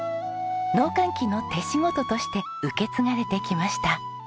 農閑期の手仕事として受け継がれてきました。